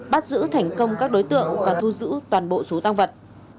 bắt giữ thành công các đối tượng và thu giữ toàn bộ số tăng vật